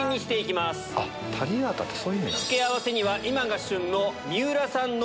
付け合わせには今が旬の。